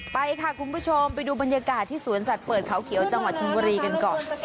ไปค่ะคุณผู้ชมไปดูบรรยากาศที่สวนสัตว์เปิดเขาเขียวจังหวัดชนบุรีกันก่อน